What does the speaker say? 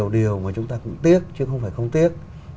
điều mà chúng ta cũng tiếc chứ không phải không tiếc